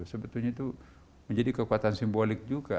sebetulnya itu menjadi kekuatan simbolik juga